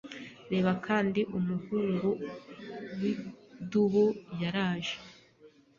Reba kandi Umuhungu widubu yaraje